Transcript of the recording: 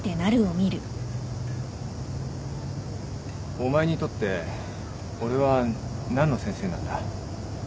お前にとって俺は何の先生なんだ？